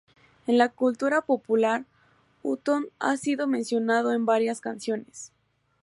En la cultura popular, Hutton ha sido mencionado en varias canciones.